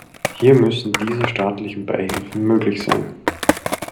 Hier müssen diese staatlichen Beihilfen möglich sein.